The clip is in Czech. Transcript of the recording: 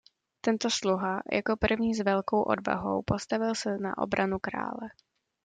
Tento sluha jako první s velkou odvahou postavil se na obranu krále.